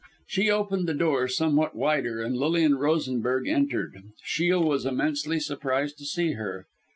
She opened the door somewhat wider, and Lilian Rosenberg entered. Shiel was immensely surprised to see her.